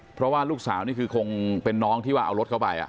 เพราะว่าลูกสาวนี่คือคงเป็นน้องที่ว่าเอารถเข้าไป